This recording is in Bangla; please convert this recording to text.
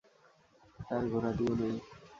তার ঘোড়াটিও নেই।